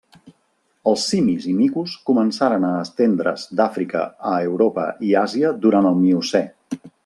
Els simis i micos començaren a estendre's d'Àfrica a Europa i Àsia durant el Miocè.